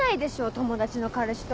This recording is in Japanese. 友達の彼氏と。